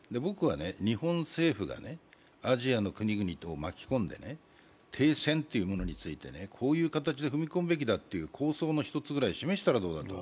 日本政府がアジアの国々を巻き込んで停戦についてこういう形で踏み込むべきだという構想の１つぐらい示したどうかと。